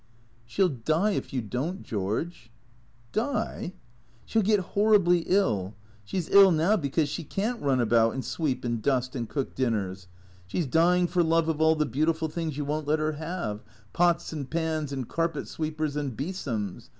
She '11 die if you don't, George," "Die?" " She '11 get horribly ill. She 's ill now because she can't run about and sweep and dust and cook dinners. She 's dying for love of all the beautiful things you won't let her have — THECREATOES 199 pots and pans and carpet sweepers and besoms.